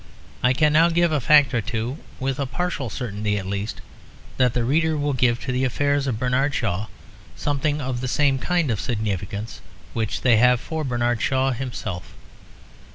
I can now give a fact or two with a partial certainty at least that the reader will give to the affairs of Bernard Shaw something of the same kind of significance which they have for Bernard Shaw himself.